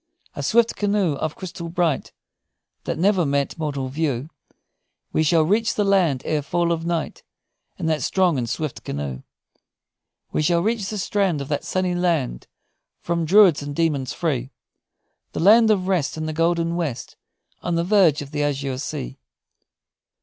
A swift canoe of crystal bright, That never met mortal view We shall reach the land ere fall of night, In that strong and swift canoe; We shall reach the strand Of that sunny land, From druids and demons free; The land of rest In the golden west, On the verge of the azure sea!